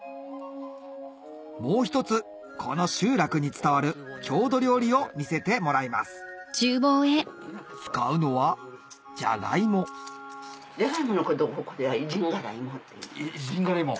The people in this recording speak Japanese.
もう一つこの集落に伝わる郷土料理を見せてもらいます使うのはジャガイモイジンガライモ？